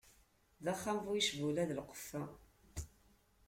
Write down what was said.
D axxam bu yicbula d lqeffa.